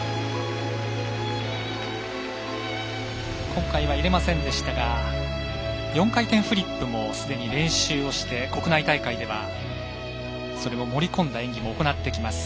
今回は入れませんでしたが４回転フリップもすでに練習をして国内大会ではそれも盛り込んだ演技を行ってきます。